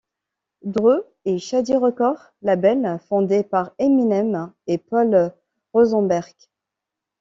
Dre et Shady Records, label fondé par Eminem et Paul Rosenberg.